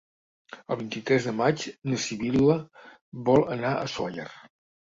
El vint-i-tres de maig na Sibil·la vol anar a Sóller.